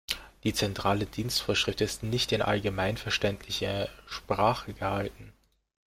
Die Zentrale Dienstvorschrift ist nicht in allgemeinverständlicher Sprache gehalten.